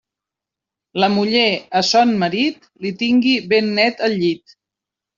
La muller a son marit li tingui ben net el llit.